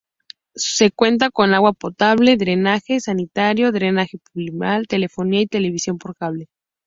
Se cuenta con agua potable, drenaje sanitario, drenaje pluvial, telefonía y televisión por cable.